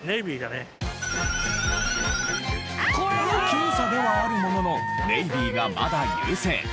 僅差ではあるもののネイビーがまだ優勢。